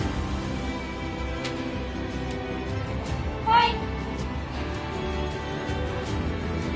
はい！